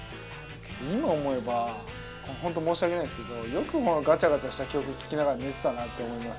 今思えば本当申し訳ないんですけどよくまあガチャガチャした曲聴きながら寝てたなって思います